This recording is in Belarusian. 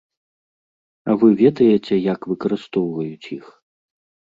А вы ведаеце, як выкарыстоўваюць іх?